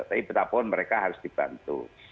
tapi betapa pun mereka harus dibantu